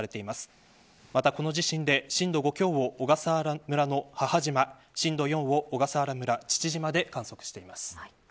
またこの地震で震度５強を、小笠原村の母島震度４を小笠原の父島で観測しています。